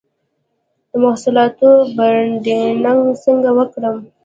د محصولاتو برنډینګ څنګه وکړم؟